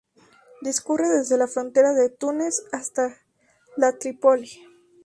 Discurre desde la frontera con Túnez hasta la Tripoli.